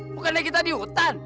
bukannya kita di hutan